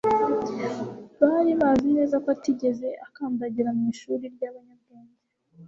Bari bazi neza ko atigeze akandagira mu ishuri ry'abanyabwenge,